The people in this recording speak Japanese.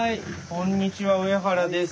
こんにちは上原です。